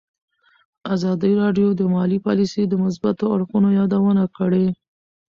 ازادي راډیو د مالي پالیسي د مثبتو اړخونو یادونه کړې.